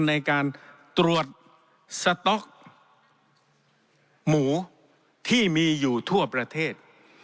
ในการตรวจสต๊อกหมูที่มีอยู่ทั่วประเทศ